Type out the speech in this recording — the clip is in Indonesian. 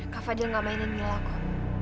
kak fadil gak mainin mila kok